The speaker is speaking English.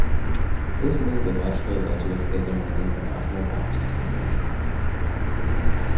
This move eventually led to a schism within the National Baptist Convention.